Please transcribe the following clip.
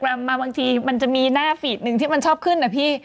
เกิดอินสทารัมป์มามันจะมีหน้าต่อที่ชอบขึ้น